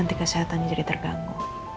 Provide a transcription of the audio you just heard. nanti kesehatannya jadi terganggu